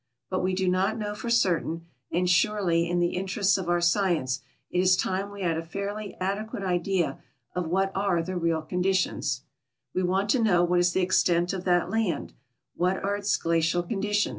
But we do not know for certain, and surely, in the interests of our science, it is time we had a fairly adequate idea of what THE IWWfAPriCD AREAS ON THE EARTH'S SCRFAfE lNm are the real conditions. We want to know wliat is tlie extent of that land, what are its glacial condition.